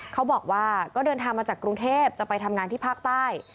เขาบอกว่าก็เดินทางมาจากกรุงเทพจะไปทำงานที่ภาคใต้